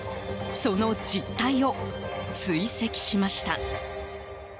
その実態を追跡しました。